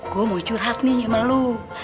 gue mau curhat nih sama lo